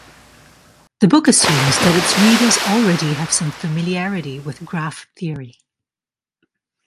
The book assumes that its readers already have some familiarity with graph theory.